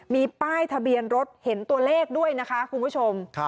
มีป้ายทะเบียนรถเห็นตัวเลขด้วยนะคะคุณผู้ชม